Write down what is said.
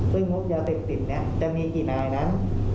ซึ่งงบยาเสพติดเนี่ยจะมีกี่นายนั้น